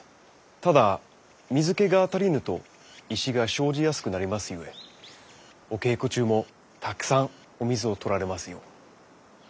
ただ水けが足りぬと石が生じやすくなりますゆえお稽古中もたくさんお水をとられますよう。